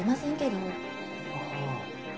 ああ。